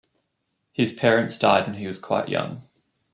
His parents died when he was quite young.